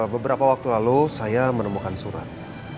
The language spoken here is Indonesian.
beberapa waktu lalu saya menemukan surat